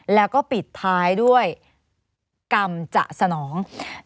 แล้วก็ปิดท้ายด้วยกรรมจะสนอง